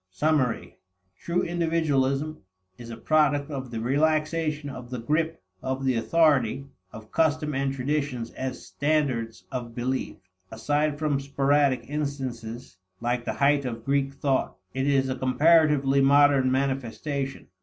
Summary. True individualism is a product of the relaxation of the grip of the authority of custom and traditions as standards of belief. Aside from sporadic instances, like the height of Greek thought, it is a comparatively modern manifestation.